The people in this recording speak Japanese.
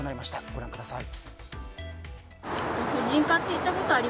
ご覧ください。